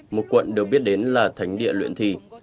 một quận được biết đến là thánh địa luyện thì